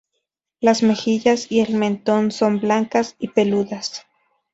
Las mejillas y el mentón son blancas y peludas.